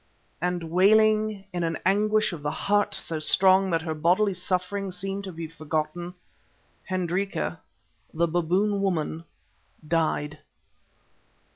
And wailing in an anguish of the heart so strong that her bodily suffering seemed to be forgotten, Hendrika, the Baboon woman, died.